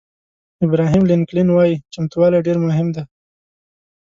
ابراهیم لینکلن وایي چمتووالی ډېر مهم دی.